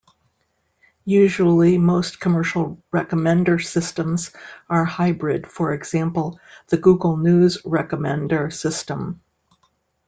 Usually most commercial recommender systems are hybrid, for example, the Google news recommender system.